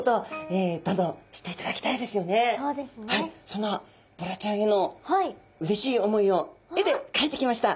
そんなボラちゃんへのうれしい思いを絵でかいてきました。